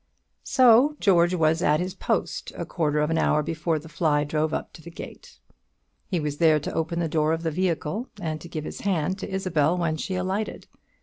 So George was at his post a quarter of an hour before the fly drove up to the gate. He was there to open the door of the vehicle, and to give his hand to Isabel when she alighted.